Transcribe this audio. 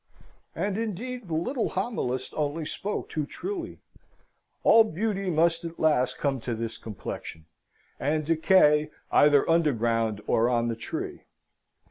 And indeed the little homilist only spoke too truly. All beauty must at last come to this complexion; and decay, either underground or on the tree.